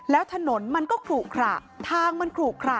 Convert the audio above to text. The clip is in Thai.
แล้วถนนมันก็ขลุขระทางมันขลุขระ